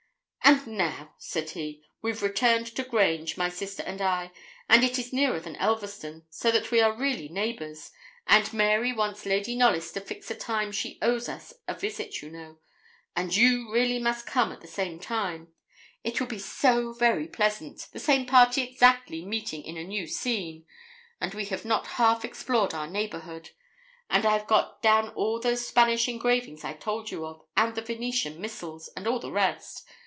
'And now,' said he, 'we've returned to Grange, my sister and I, and it is nearer than Elverston, so that we are really neighbours; and Mary wants Lady Knollys to fix a time she owes us a visit, you know and you really must come at the same time; it will be so very pleasant, the same party exactly meeting in a new scene; and we have not half explored our neighbourhood; and I've got down all those Spanish engravings I told you of, and the Venetian missals, and all the rest.